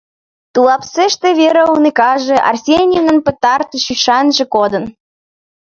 Туапсеште Вера уныкаже — Арсеньевнан пытартыш ӱшанже кодын.